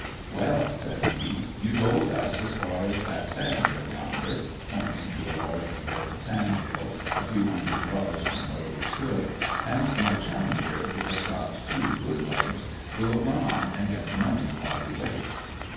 "Well," said he, "you go with us as far as that big sand hill yonder," pointing to a large red sand hill a few hundred yards from where we stood, "and my chum here, who has got two good legs, will run on and get the money while we wait."